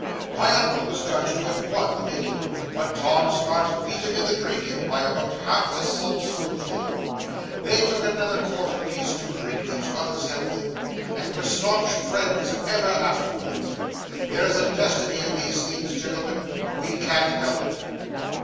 My uncle was judged to have won the making, but Tom Smart beat him in the drinking by about half a salt spoonful. They took another quart apiece to drink each other's health in, and were staunch friends ever afterwards. There's a destiny in these things, gentlemen; we can't help it.